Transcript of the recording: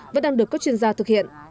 vẫn đang được các chuyên gia thực hiện